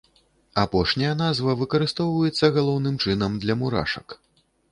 Апошняя назва выкарыстоўваецца, галоўным чынам, для мурашак.